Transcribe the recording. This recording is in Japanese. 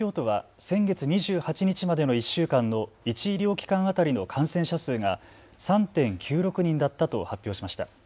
東京都は先月２８日までの１週間の１医療機関当たりの感染者数が３．９６人だったと発表しました。